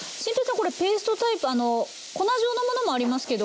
これペーストタイプ粉状のものもありますけど。